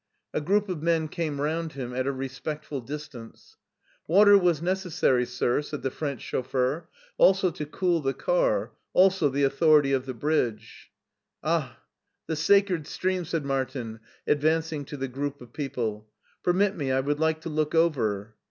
A group of men came round him at a respectful dis tance. " Water was necessary, sir," said the French chauf feur ;" also to cool the car ; also the authority of the bridge." " Ah, the sacred stream !" said Martin, advancing to the group of people. Permit me, I would like to look over."